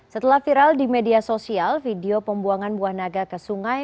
setelah viral di media sosial video pembuangan buah naga ke sungai